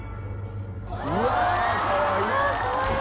うわあかわいい！